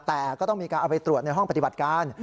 แต่ก็ต้องมีการเอาไปตรวจในห้องปฏิบัติการ